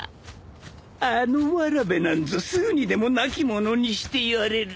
あのわらべなんぞすぐにでも亡き者にしてやれる